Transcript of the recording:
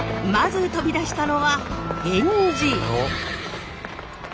まず飛び出したのは源氏！